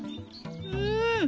うん！